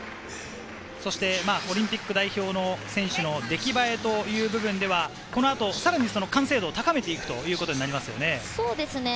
オリンピック代表の選手の出来栄えという部分ではこの後さらに完成度を高めていくということになりますね。